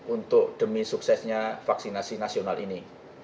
untuk demi suksesnya vaksinasi nasional ini